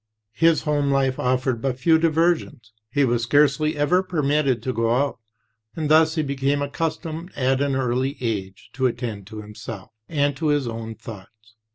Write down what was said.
"His home life offered but few diversions. He was scarcely ever permitted to go out, and thus he became accustomed, at an early age, to attend to himself and to his own thoughts.